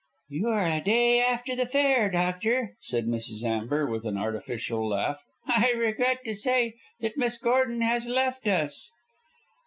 "You are a day after the fair, doctor," said Mrs. Amber, with an artificial laugh. "I regret to say that Miss Gordon has left us."